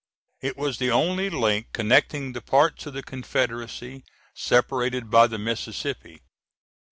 It was the only link connecting the parts of the Confederacy separated by the Mississippi.